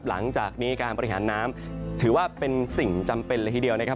หลังจากนี้การบริหารน้ำถือว่าเป็นสิ่งจำเป็นเลยทีเดียวนะครับ